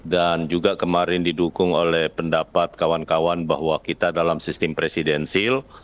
dan juga kemarin didukung oleh pendapat kawan kawan bahwa kita dalam sistem presidensil